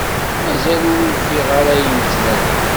Mazal ur ufiɣ ara ayen i ttnadiɣ.